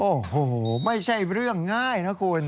โอ้โหไม่ใช่เรื่องง่ายนะคุณ